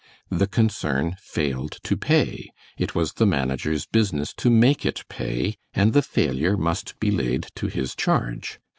The concern failed to pay. It was the manager's business to make it pay and the failure must be laid to his charge.